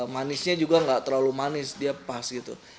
manisnya juga nggak terlalu manis dia pas gitu